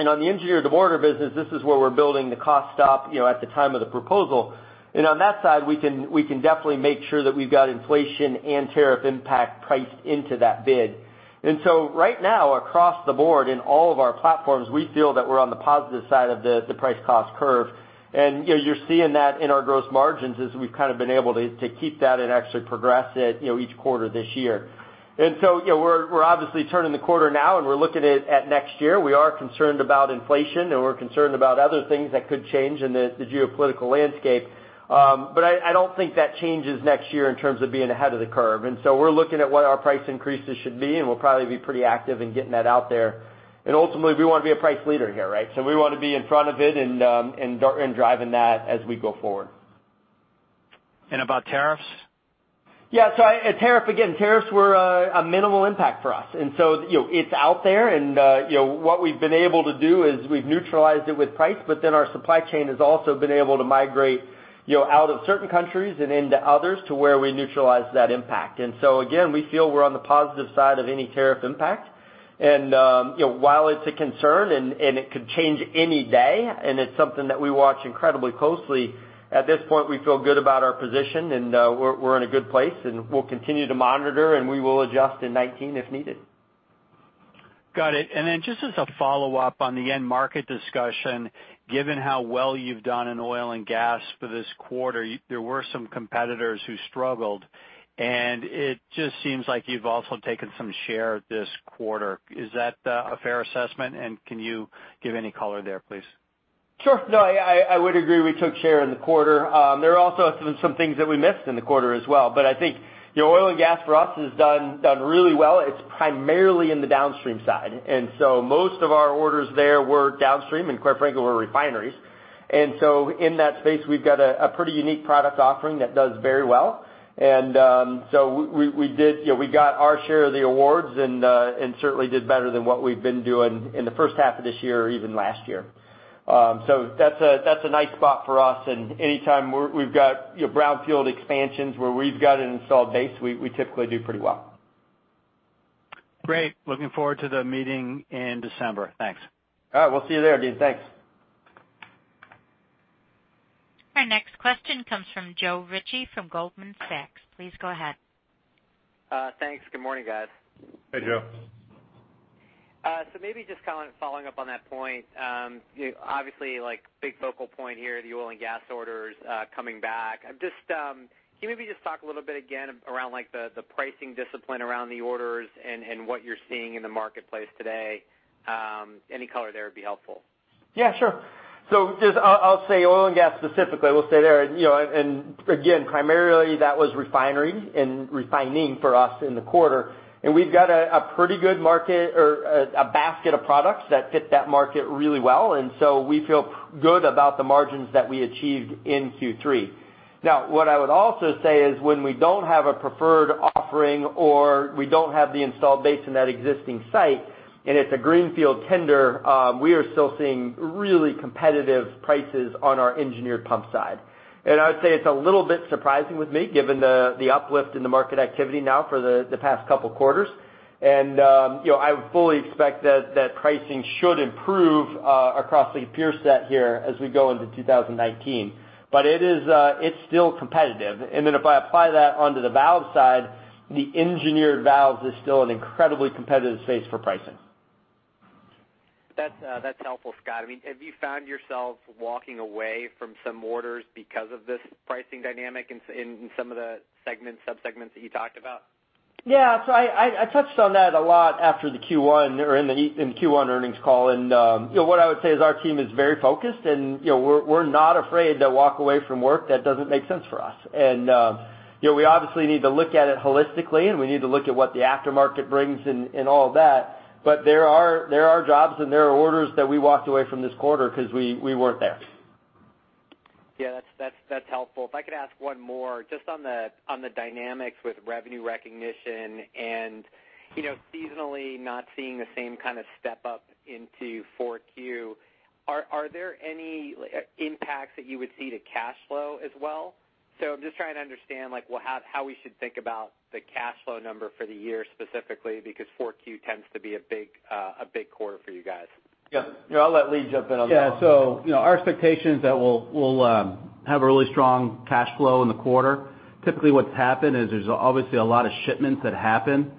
On the engineer to order business, this is where we're building the cost stop, at the time of the proposal. On that side, we can definitely make sure that we've got inflation and tariff impact priced into that bid. Right now, across the board in all of our platforms, we feel that we're on the positive side of the price cost curve. You're seeing that in our gross margins as we've kind of been able to keep that and actually progress it each quarter this year. We're obviously turning the corner now, and we're looking at next year. We are concerned about inflation, and we're concerned about other things that could change in the geopolitical landscape. I don't think that changes next year in terms of being ahead of the curve. We're looking at what our price increases should be, and we'll probably be pretty active in getting that out there. Ultimately, we want to be a price leader here, right? We want to be in front of it and driving that as we go forward. About tariffs? Tariff again, tariffs were a minimal impact for us. It's out there and what we've been able to do is we've neutralized it with price. Our supply chain has also been able to migrate out of certain countries and into others to where we neutralize that impact. Again, we feel we're on the positive side of any tariff impact. While it's a concern and it could change any day, and it's something that we watch incredibly closely, at this point, we feel good about our position and we're in a good place, and we'll continue to monitor, and we will adjust in 2019 if needed. Got it. Just as a follow-up on the end market discussion, given how well you've done in oil and gas for this quarter, there were some competitors who struggled, and it just seems like you've also taken some share this quarter. Is that a fair assessment? Can you give any color there, please? Sure. No, I would agree. We took share in the quarter. There are also some things that we missed in the quarter as well. I think oil and gas for us has done really well. It's primarily in the downstream side. Most of our orders there were downstream, and quite frankly, were refineries. In that space, we've got a pretty unique product offering that does very well. We got our share of the awards and certainly did better than what we've been doing in the first half of this year or even last year. That's a nice spot for us. Any time we've got brownfield expansions where we've got an installed base, we typically do pretty well. Great. Looking forward to the meeting in December. Thanks. All right. We'll see you there, Deane. Thanks. Our next question comes from Joe Ritchie from Goldman Sachs. Please go ahead. Thanks. Good morning, guys. Hey, Joe. Maybe just kind of following up on that point. Obviously, like big focal point here, the oil and gas orders coming back. Can you maybe just talk a little bit again around the pricing discipline around the orders and what you're seeing in the marketplace today? Any color there would be helpful. Yeah, sure. Just, I'll say oil and gas specifically, we'll stay there. Again, primarily that was refinery and refining for us in the quarter. We've got a pretty good market or a basket of products that fit that market really well. We feel good about the margins that we achieved in Q3. Now, what I would also say is when we don't have a preferred offering, or we don't have the installed base in that existing site, and it's a greenfield tender, we are still seeing really competitive prices on our engineered pump side. I would say it's a little bit surprising with me given the uplift in the market activity now for the past couple quarters. I would fully expect that pricing should improve across the peer set here as we go into 2019. It's still competitive. If I apply that onto the valve side, the engineered valves is still an incredibly competitive space for pricing. That's helpful, Scott. Have you found yourself walking away from some orders because of this pricing dynamic in some of the segment, sub-segments that you talked about? Yeah. I touched on that a lot after the Q1 or in the Q1 earnings call. What I would say is our team is very focused, and we're not afraid to walk away from work that doesn't make sense for us. We obviously need to look at it holistically, and we need to look at what the aftermarket brings and all that. There are jobs and there are orders that we walked away from this quarter because we weren't there. Yeah, that's helpful. If I could ask one more, just on the dynamics with revenue recognition and seasonally not seeing the same kind of step up into 4Q. Are there any impacts that you would see to cash flow as well? I'm just trying to understand how we should think about the cash flow number for the year specifically, because 4Q tends to be a big quarter for you guys. I'll let Lee jump in on that one. Our expectation is that we'll have a really strong cash flow in the quarter. Typically what's happened is there's obviously a lot of shipments that happen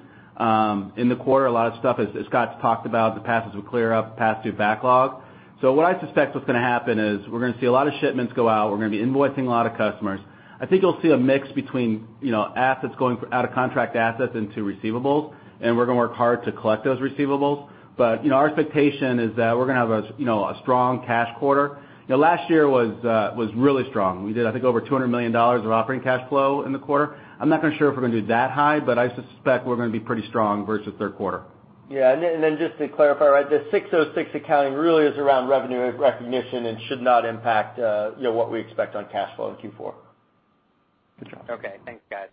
in the quarter. A lot of stuff, as Scott's talked about, the passes will clear up, pass through backlog. What I suspect what's going to happen is we're going to see a lot of shipments go out. We're going to be invoicing a lot of customers. I think you'll see a mix between assets going out of contract assets into receivables, and we're going to work hard to collect those receivables. Our expectation is that we're going to have a strong cash quarter. Last year was really strong. We did, I think, over $200 million of operating cash flow in the quarter. I'm not sure if we're going to do that high, but I suspect we're going to be pretty strong versus third quarter. Just to clarify, the 606 accounting really is around revenue recognition and should not impact what we expect on cash flow in Q4. Good job. Okay. Thanks, guys.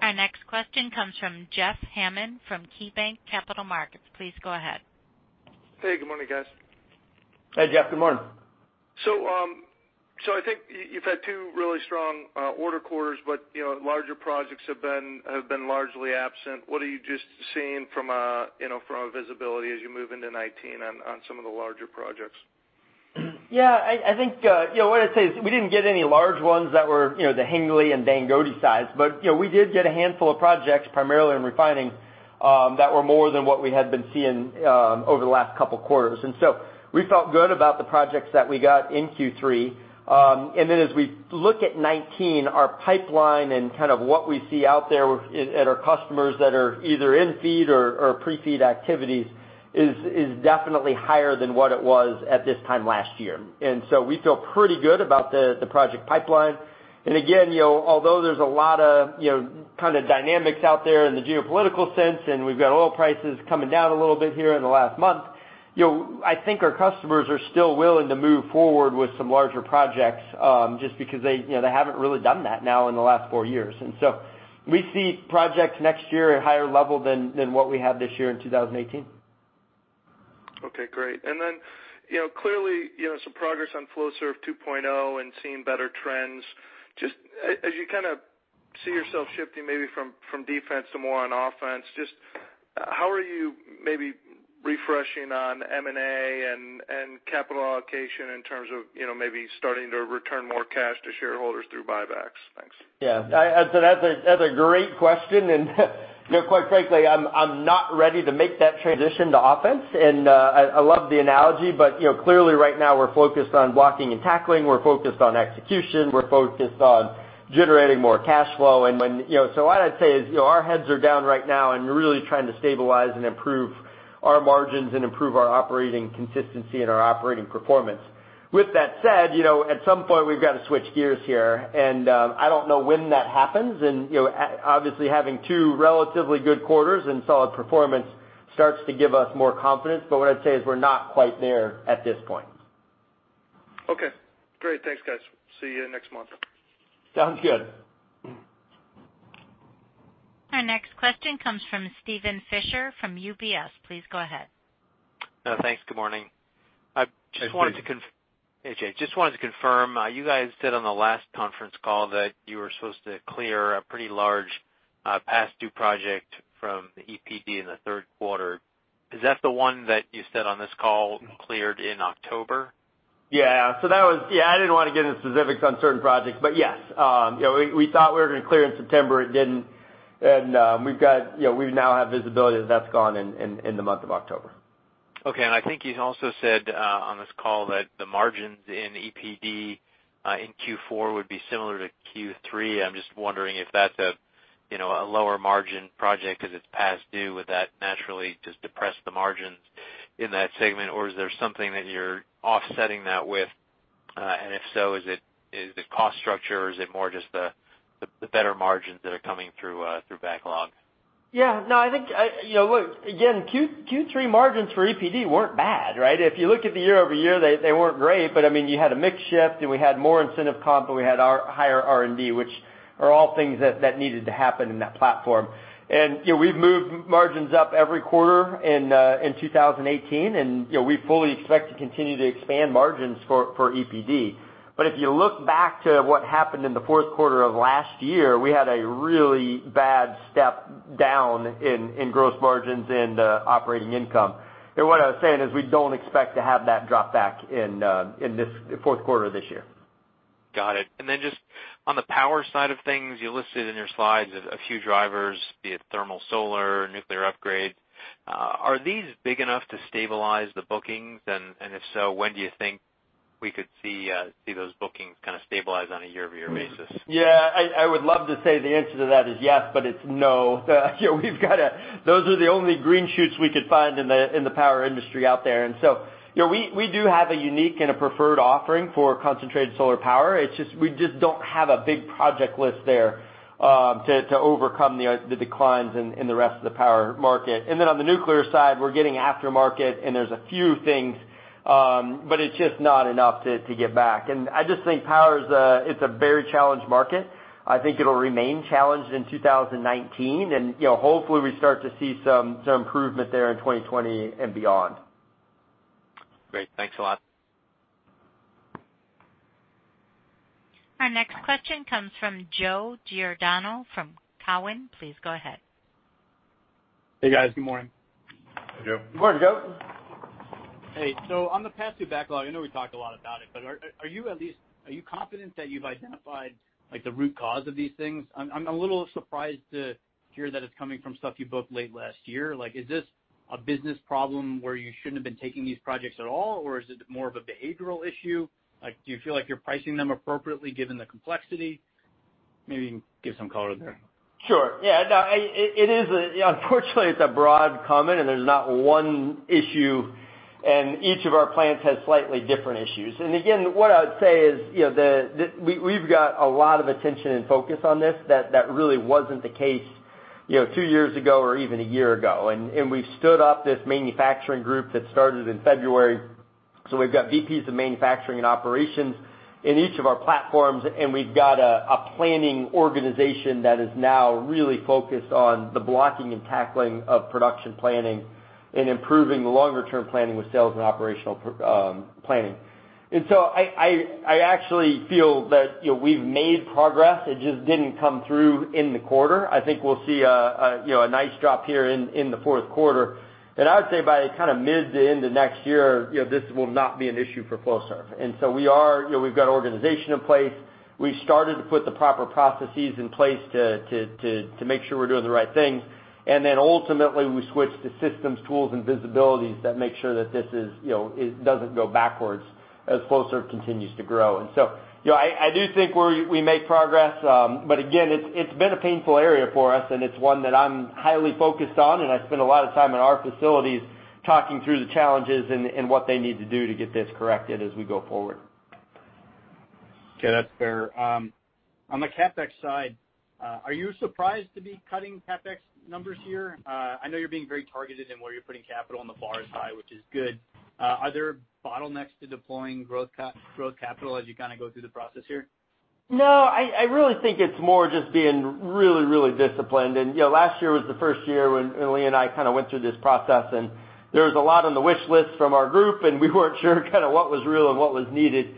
Our next question comes from Jeffrey Hammond from KeyBanc Capital Markets. Please go ahead. Hey, good morning, guys. Hey, Jeff. Good morning. I think you've had two really strong order quarters, but larger projects have been largely absent. What are you just seeing from a visibility as you move into 2019 on some of the larger projects? I think what I'd say is we didn't get any large ones that were the Hengli and Dangote size, but we did get a handful of projects, primarily in refining, that were more than what we had been seeing over the last couple of quarters. We felt good about the projects that we got in Q3. As we look at 2019, our pipeline and what we see out there at our customers that are either in feed or pre-feed activities is definitely higher than what it was at this time last year. We feel pretty good about the project pipeline. Again, although there's a lot of dynamics out there in the geopolitical sense, and we've got oil prices coming down a little bit here in the last month, I think our customers are still willing to move forward with some larger projects, just because they haven't really done that now in the last four years. We see projects next year at higher level than what we have this year in 2018. Okay, great. Clearly, some progress on Flowserve 2.0 and seeing better trends. Just as you see yourself shifting maybe from defense to more on offense, just how are you maybe refreshing on M&A and capital allocation in terms of maybe starting to return more cash to shareholders through buybacks? Thanks. Yeah. That's a great question. Quite frankly, I'm not ready to make that transition to offense. I love the analogy, but clearly right now we're focused on blocking and tackling. We're focused on execution. We're focused on generating more cash flow. What I'd say is our heads are down right now, and we're really trying to stabilize and improve our margins and improve our operating consistency and our operating performance. With that said, at some point we've got to switch gears here, and I don't know when that happens. Obviously having two relatively good quarters and solid performance starts to give us more confidence. What I'd say is we're not quite there at this point. Okay, great. Thanks, guys. See you next month. Sounds good. Our next question comes from Steven Fisher from UBS. Please go ahead. Thanks. Good morning. Hey, Steve. Hey, Jay. Just wanted to confirm, you guys said on the last conference call that you were supposed to clear a pretty large past due project from EPD in the third quarter. Is that the one that you said on this call cleared in October? Yeah. I didn't want to get into specifics on certain projects, but yes. We thought we were going to clear in September. It didn't. We now have visibility that that's gone in the month of October. Okay. I think you also said on this call that the margins in EPD in Q4 would be similar to Q3. I'm just wondering if that's a lower margin project because it's past due. Would that naturally just depress the margins in that segment? Is there something that you're offsetting that with? If so, is it cost structure or is it more just the better margins that are coming through backlog? Yeah. Look, again, Q3 margins for EPD weren't bad, right? If you look at the year-over-year, they weren't great. You had a mix shift and we had more incentive comp, we had higher R&D, which are all things that needed to happen in that platform. We've moved margins up every quarter in 2018, and we fully expect to continue to expand margins for EPD. If you look back to what happened in the fourth quarter of last year, we had a really bad step down in gross margins in the operating income. What I was saying is we don't expect to have that drop back in the fourth quarter this year. Got it. Just on the power side of things, you listed in your slides a few drivers, be it thermal solar, nuclear upgrade. Are these big enough to stabilize the bookings? If so, when do you think we could see those bookings kind of stabilize on a year-over-year basis? Yeah. I would love to say the answer to that is yes, but it's no. Those are the only green shoots we could find in the power industry out there. We do have a unique and a preferred offering for concentrated solar power. We just don't have a big project list there to overcome the declines in the rest of the power market. On the nuclear side, we're getting aftermarket, and there's a few things, but it's just not enough to get back. I just think power is a very challenged market. I think it'll remain challenged in 2019, and hopefully we start to see some improvement there in 2020 and beyond. Great. Thanks a lot. Our next question comes from Joseph Giordano from Cowen. Please go ahead. Hey, guys. Good morning. Hey, Joe. Good morning, Joe. Hey. On the pass-through backlog, I know we talked a lot about it, but are you confident that you've identified the root cause of these things? I'm a little surprised to hear that it's coming from stuff you booked late last year. Is this a business problem where you shouldn't have been taking these projects at all, or is it more of a behavioral issue? Do you feel like you're pricing them appropriately given the complexity? Maybe you can give some color there. Sure. Yeah. Unfortunately, it's a broad comment, and there's not one issue, and each of our plants has slightly different issues. Again, what I would say is, we've got a lot of attention and focus on this that really wasn't the case two years ago or even one year ago. We've stood up this manufacturing group that started in February. We've got VPs of manufacturing and operations in each of our platforms, and we've got a planning organization that is now really focused on the blocking and tackling of production planning and improving the longer-term planning with sales and operational planning. I actually feel that we've made progress. It just didn't come through in the quarter. I think we'll see a nice drop here in the fourth quarter. I would say by kind of mid to end of next year, this will not be an issue for Flowserve. We've got organization in place. We've started to put the proper processes in place to make sure we're doing the right things. Ultimately, we switch to systems, tools, and visibilities that make sure that this doesn't go backwards as Flowserve continues to grow. I do think we made progress. Again, it's been a painful area for us, and it's one that I'm highly focused on, and I spend a lot of time in our facilities talking through the challenges and what they need to do to get this corrected as we go forward. Okay. That's fair. On the CapEx side, are you surprised to be cutting CapEx numbers here? I know you're being very targeted in where you're putting capital on the far side, which is good. Are there bottlenecks to deploying growth capital as you kind of go through the process here? I really think it's more just being really, really disciplined. Last year was the first year when Lee and I kind of went through this process, there was a lot on the wish list from our group, we weren't sure kind of what was real and what was needed.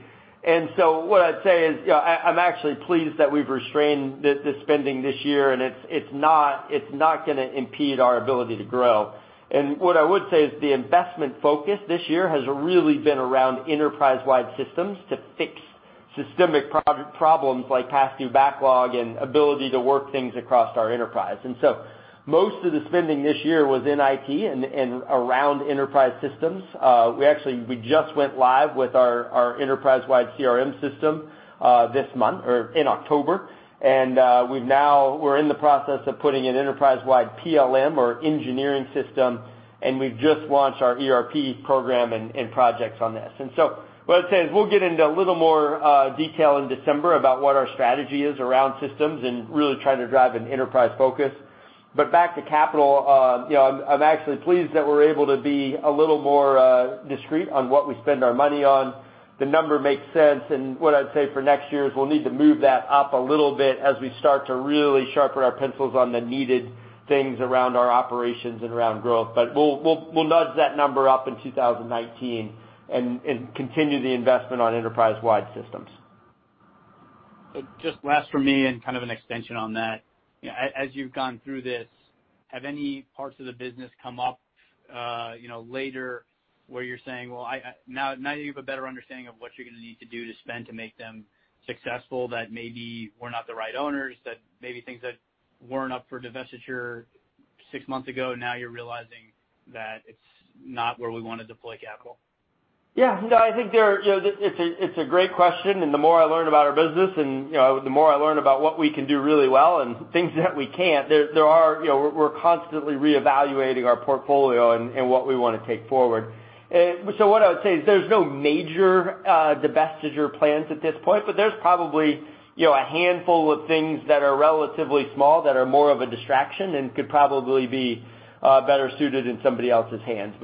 What I'd say is, I'm actually pleased that we've restrained the spending this year, it's not going to impede our ability to grow. What I would say is the investment focus this year has really been around enterprise-wide systems to fix systemic product problems like pass-through backlog and ability to work things across our enterprise. Most of the spending this year was in IT and around enterprise systems. We just went live with our enterprise-wide CRM system this month or in October. We're in the process of putting an enterprise-wide PLM or engineering system, we've just launched our ERP program and projects on this. What I'd say is we'll get into a little more detail in December about what our strategy is around systems and really trying to drive an enterprise focus. Back to capital, I'm actually pleased that we're able to be a little more discreet on what we spend our money on. The number makes sense, what I'd say for next year is we'll need to move that up a little bit as we start to really sharpen our pencils on the needed things around our operations and around growth. We'll nudge that number up in 2019 and continue the investment on enterprise-wide systems. Just last from me and kind of an extension on that. As you've gone through this, have any parts of the business come up later where you're saying, well, now that you have a better understanding of what you're going to need to do to spend to make them successful, that maybe were not the right owners, that maybe things that weren't up for divestiture six months ago, now you're realizing that it's not where we want to deploy capital? I think it's a great question, the more I learn about our business, the more I learn about what we can do really well and things that we can't, we're constantly reevaluating our portfolio and what we want to take forward. What I would say is there's no major divestiture plans at this point, there's probably a handful of things that are relatively small that are more of a distraction and could probably be better suited in somebody else's hands.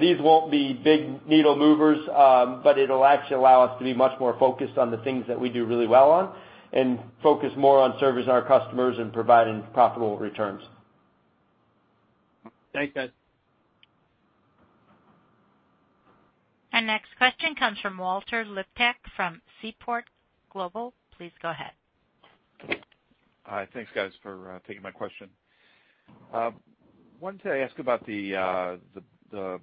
These won't be big needle movers, it'll actually allow us to be much more focused on the things that we do really well on and focus more on servicing our customers and providing profitable returns. Thanks, guys. Our next question comes from Walter Liptak from Seaport Global. Please go ahead. Hi. Thanks guys for taking my question. Wanted to ask about the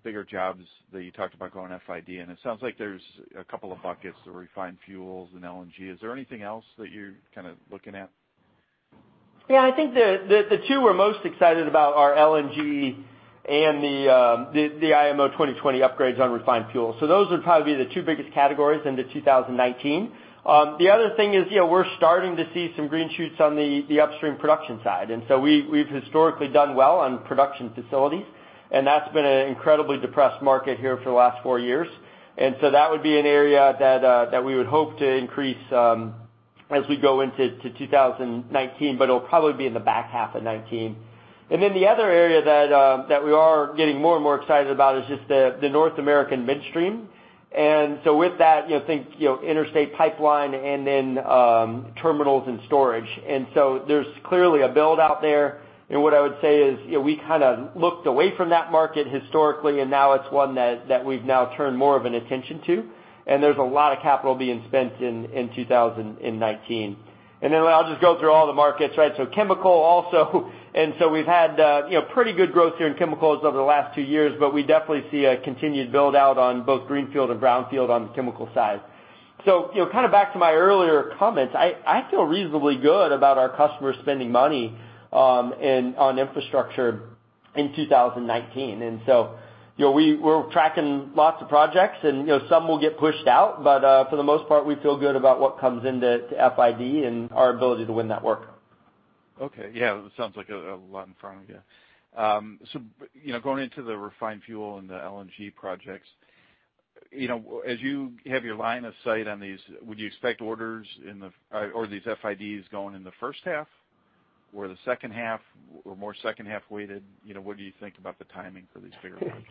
bigger jobs that you talked about going FID. It sounds like there's a couple of buckets, the refined fuels and LNG. Is there anything else that you're looking at? I think the two we're most excited about are LNG and the IMO 2020 upgrades on refined fuels. Those would probably be the two biggest categories into 2019. The other thing is we're starting to see some green shoots on the upstream production side. We've historically done well on production facilities, and that's been an incredibly depressed market here for the last four years. That would be an area that we would hope to increase as we go into 2019, but it'll probably be in the back half of 2019. The other area that we are getting more and more excited about is just the North American midstream. With that, think interstate pipeline and then terminals and storage. There's clearly a build-out there, and what I would say is we looked away from that market historically, and now it's one that we've now turned more of an attention to. There's a lot of capital being spent in 2019. I'll just go through all the markets, right? Chemical also. We've had pretty good growth here in chemicals over the last two years, but we definitely see a continued build-out on both greenfield and brownfield on the chemical side. Back to my earlier comments, I feel reasonably good about our customers spending money on infrastructure in 2019. We're tracking lots of projects, and some will get pushed out. But for the most part, we feel good about what comes into FID and our ability to win that work. Okay. Yeah, it sounds like a lot in front of you. Going into the refined fuel and the LNG projects, as you have your line of sight on these, would you expect orders or these FIDs going in the first half or the second half, or more second half-weighted? What do you think about the timing for these bigger projects?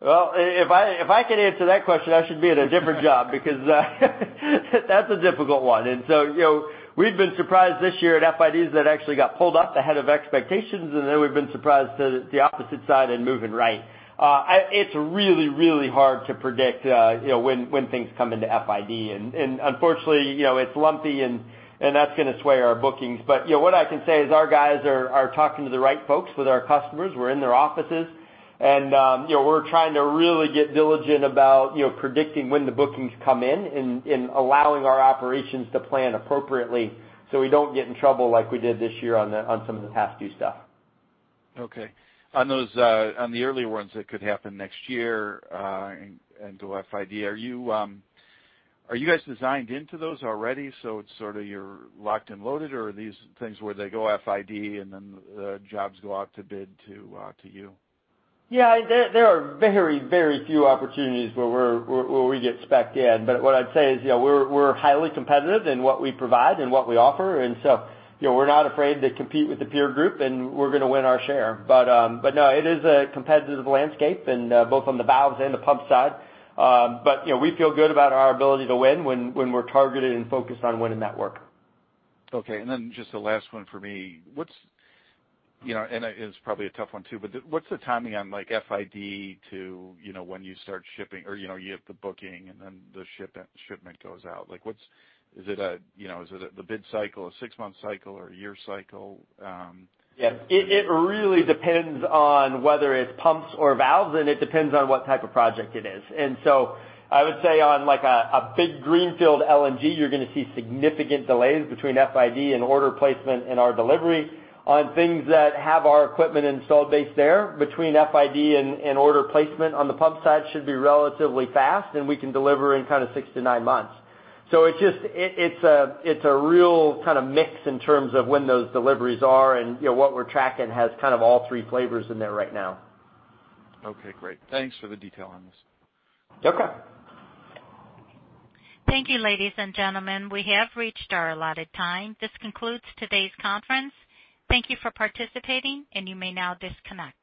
Well, if I could answer that question, I should be in a different job because that's a difficult one. We've been surprised this year at FIDs that actually got pulled up ahead of expectations, and then we've been surprised to the opposite side and moving right. It's really, really hard to predict when things come into FID. Unfortunately, it's lumpy, and that's going to sway our bookings. What I can say is our guys are talking to the right folks with our customers. We're in their offices, and we're trying to really get diligent about predicting when the bookings come in and allowing our operations to plan appropriately so we don't get in trouble like we did this year on some of the past due stuff. Okay. On the earlier ones that could happen next year and go FID, are you guys designed into those already, so it's sort of you're locked and loaded, or are these things where they go FID and then the jobs go out to bid to you? Yeah, there are very few opportunities where we get spec'd in. What I'd say is we're highly competitive in what we provide and what we offer, we're not afraid to compete with the peer group, and we're going to win our share. No, it is a competitive landscape, both on the valves and the pump side. We feel good about our ability to win when we're targeted and focused on winning that work. Okay, just the last one for me. It's probably a tough one, too, what's the timing on FID to when you start shipping, or you have the booking then the shipment goes out? Is it the bid cycle, a six-month cycle or a year cycle? Yeah. It really depends on whether it's pumps or valves, it depends on what type of project it is. I would say on a big greenfield LNG, you're going to see significant delays between FID and order placement and our delivery. On things that have our equipment installed base there, between FID and order placement on the pump side should be relatively fast, and we can deliver in six to nine months. It's a real mix in terms of when those deliveries are, what we're tracking has all three flavors in there right now. Okay, great. Thanks for the detail on this. You're welcome. Thank you, ladies and gentlemen. We have reached our allotted time. This concludes today's conference. Thank you for participating, and you may now disconnect.